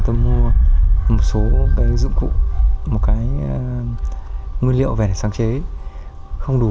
tôi mua một số cái dụng cụ một cái nguyên liệu về để sáng chế không đủ